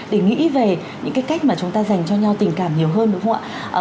để nghĩ về những cái cách mà chúng ta dành cho nhau tình cảm nhiều hơn đúng không ạ